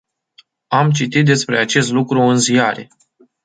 Am citit despre acest lucru în ziare.